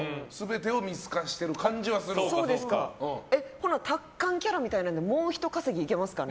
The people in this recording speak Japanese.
ほな達観キャラみたいなんでもうひと稼ぎいけますかね。